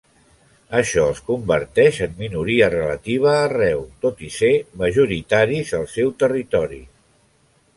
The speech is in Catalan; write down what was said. Això els converteix en minoria relativa arreu, tot i ser majoritaris al seu territori.